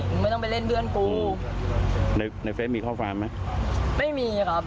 ไม่ต้องไปเล่นเพื่อนกูในในเฟสมีข้อความไหมไม่มีครับ